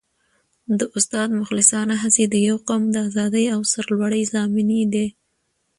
د استاد مخلصانه هڅې د یو قوم د ازادۍ او سرلوړۍ ضامنې دي.